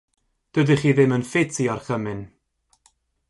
Dydych chi ddim yn ffit i orchymyn.